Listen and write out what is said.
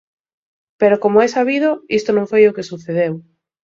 Pero, como é sabido, isto non foi o que sucedeu.